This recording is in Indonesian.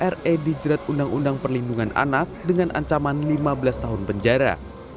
re dijerat undang undang perlindungan anak dengan ancaman lima belas tahun penjara